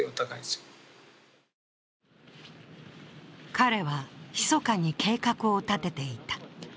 彼は密かに計画を立てていた。